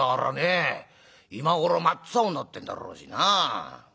今頃真っ青になってんだろうしな。